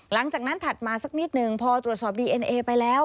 หลังจากนั้นถัดมาสักนิดหนึ่งพอตรวจสอบดีเอ็นเอไปแล้ว